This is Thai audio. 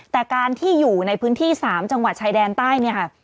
แต่การที่อยู่ในพื้นที่๓จังหวัดชายแดนใต้